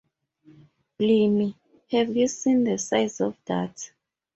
Blimey, have you seen the size of that?